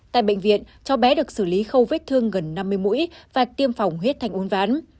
tại bệnh viện cháu bé được xử lý khâu vết thương gần năm mươi mũi và tiêm phòng hết thanh uốn ván